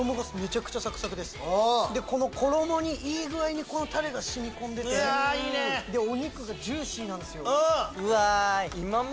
衣にいい具合にタレが染み込んでてお肉がジューシーなんすよ。